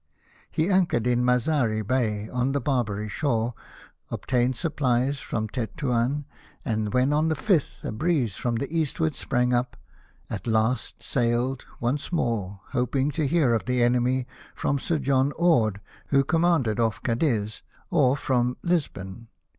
He anchored in Mazari Bay on the Barbary shore, obtained supplies from Tetuan, and when on the 5th a breeze from the eastward sprang up at last, sailed once more, hoping to hear of the enemy from Sir John Orde, who com manded off' Cadiz, or from Lisbon.